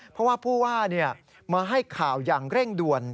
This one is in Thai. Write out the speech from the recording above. เพราะว่าผู้ว่ามาให้ข่าวอย่างเร่งด่วน